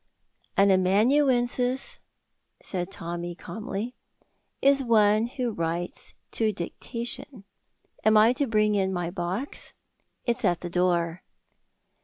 "An amanuensis," said Tommy, calmly, "is one who writes to dictation. Am I to bring in my box? It's at the door."